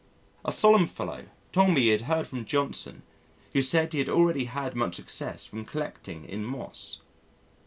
A solemn fellow told me he had heard from Johnson who said he had already had much success from collecting in moss.